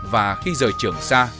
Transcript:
và khi rời trường sa